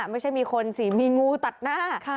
ไม่ใช่มีคนสิมีงูตัดหน้า